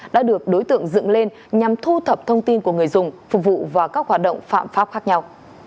đã được đối tượng dựng lên nhằm thu thập thông tin của người dùng phục vụ vào các hoạt động phạm pháp khác nhau